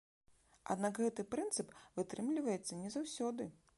Аднак гэты прынцып вытрымліваецца не заўсёды.